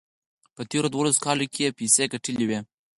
په تېرو دولسو کالو کې یې پیسې ګټلې وې.